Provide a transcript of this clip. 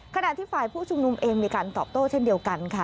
ขณะที่ฝ่ายผู้ชุมนุมเองมีการตอบโต้เช่นเดียวกันค่ะ